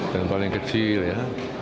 dan paling kecil ya